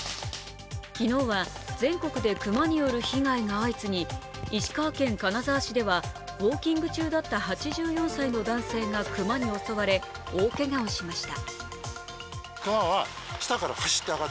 昨日は全国で熊による被害が相次ぎ石川県金沢市ではウオーキング中だった８４歳の男性が熊に襲われ大けがをしました。